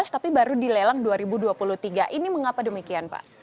dua ribu sembilan belas tapi baru dilelang dua ribu dua puluh tiga ini mengapa demikian pak